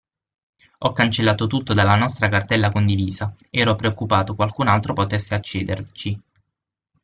Ho cancellato tutto dalla nostra cartella condivisa, ero preoccupato qualcun altro potesse accederci.